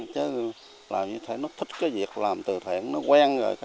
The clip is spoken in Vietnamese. chứ làm như thế nó thích cái việc làm từ thiện nó quen rồi